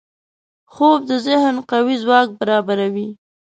خوب د ذهن نوي ځواک برابروي